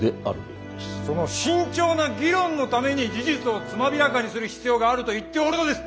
その慎重な議論のために事実をつまびらかにする必要があると言っておるのです！